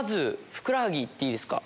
ふくらはぎ行っていいですか。